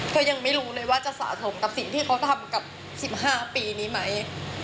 ก็ยังไม่รู้เลยว่าจะสะสมกับสิ่งที่เขาทำกับ๑๕ปีนี้ไหม